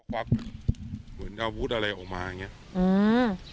ควักเหมือนอาวุธอะไรออกมาไงอืม